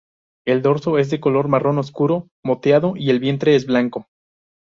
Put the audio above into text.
El dorso es de color marrón oscuro moteado y el vientre es blanco.